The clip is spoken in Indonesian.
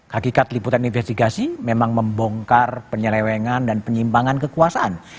hakikat liputan investigasi memang membongkar penyelewengan dan penyimpangan kekuasaan